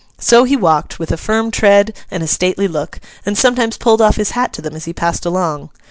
So, he walked, with a firm tread and a stately look, and sometimes pulled off his hat to them as he passed along.